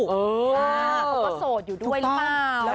เขาก็โสดอยู่ด้วยหรือเปล่า